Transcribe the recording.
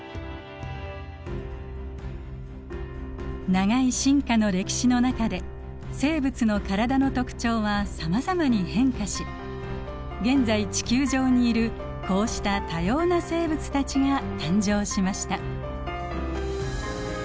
長い進化の歴史の中で生物の体の特徴はさまざまに変化し現在地球上にいるこうした多様な生物たちが誕生しました。